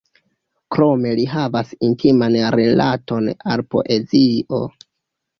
Krome li havas intiman rilaton al poezio.